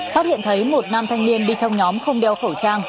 phát hiện thấy một nam thanh niên đi trong nhóm không đeo khẩu trang